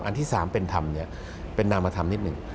อันที่สามเป็นธรรมเป็นนามธรรมนิดหนึ่ง